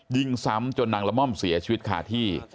ยิงซ้ำจนนางละม่อมเสียชีวิตคาที่